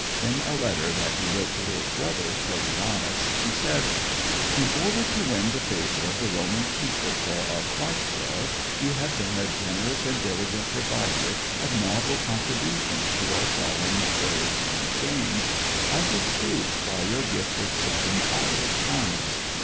In a letter that he wrote to his brother Flavianus, he said: "In order to win the favour of the Roman people for our Quaestor, you have been a generous and diligent provider of novel contributions to our solemn shows and games, as is proved by your gift of seven Irish hounds.